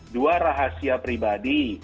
dua rahasia pribadi